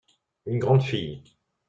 Une grande fille.